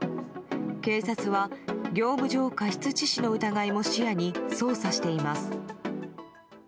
警察は業務上過失致死の疑いも視野に捜査しています。